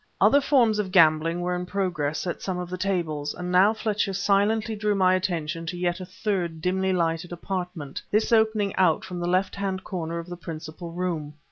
Other forms of gambling were in progress at some of the tables; and now Fletcher silently drew my attention to yet a third dimly lighted apartment this opening out from the left hand corner of the principal room.